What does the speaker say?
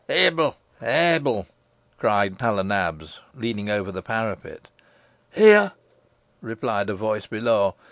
"Ebil! Ebil!" cried Hal o' Nabs, leaning over the parapet. "Here," replied a voice below.